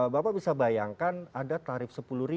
bapak bisa bayangkan ada tarif